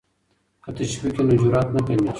که تشویق وي نو جرات نه کمېږي.